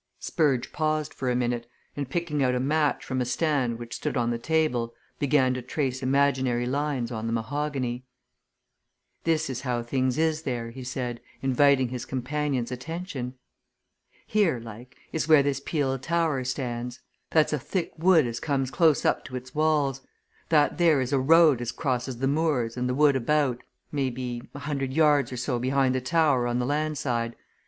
Spurge paused for a minute, and picking out a match from a stand which stood on the table, began to trace imaginary lines on the mahogany. "This is how things is there," he said, inviting his companions' attention. "Here, like, is where this peel tower stands that's a thick wood as comes close up to its walls that there is a road as crosses the moors and the wood about, maybe, a hundred yards or so behind the tower on the land side.